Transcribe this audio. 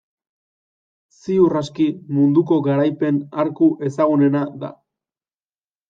Ziur aski, munduko garaipen arku ezagunena da.